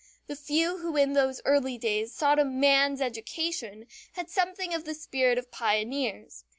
The few who in those early days sought a man's education had something of the spirit of pioneers.